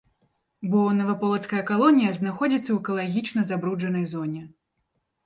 Бо наваполацкая калонія знаходзіцца ў экалагічна забруджанай зоне.